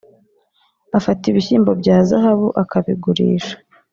afata ibishyimbo bya Zahabu akabigurisha